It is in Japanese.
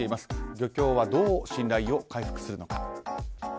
漁協はどう信頼を回復するのか。